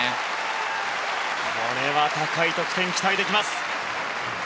これは高い得点が期待できます。